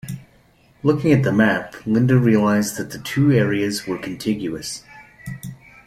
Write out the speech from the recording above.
Looking at the map, Linda realised that the two areas were contiguous.